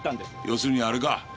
要するにあれか。